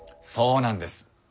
そうなんです。